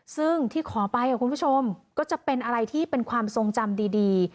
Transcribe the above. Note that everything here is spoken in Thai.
ซึ่งที่ขอไปคุณผู้ชมก็จะเป็นอะไรที่เป็นความทรงจำดี